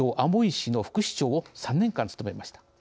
市の副市長を３年間務めました。